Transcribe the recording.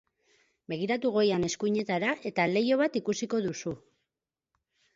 Begiratu goian eskuinetara eta leiho bat ikusiko duzu.